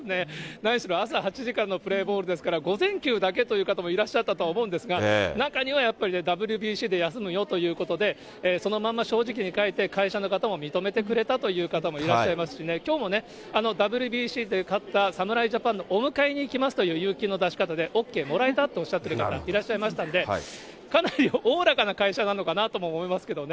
何しろ朝８時からのプレーボールですから、午前休だけという方もいらっしゃったと思うんですが、中にはやっぱりＷＢＣで休むよということで、そのまま正直に書いて、会社の方も認めてくれたという方もいらっしゃいますしね、きょうもね、ＷＢＣで勝った侍ジャパンのお迎えにいきますという有休の出し方で、ＯＫもらえたっておっしゃる方、いらっしゃいましたので、かなりおおらかな会社なのかなとも思いますけどね。